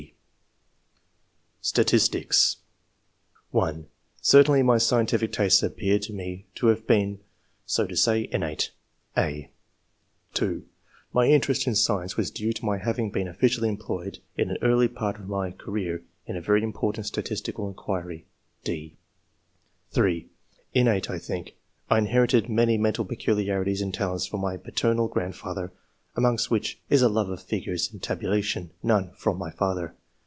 (c, d) STATISTICS. (1) *' Certainly my scientific tastes appear to me to have been, so to say, innate." (a) (2) " My interest in science was due to my having been officially employed in the early part of [my career, in a very important statistical inquiry]." (d) (3) " Innate, I think. I inherit many mental peculiarities and talents fi:om my paternal grand father, amongst which is a love of figures and III.] OBIGIN OF TASTE FOR SCIENCE. 183 tabulation; none from my father.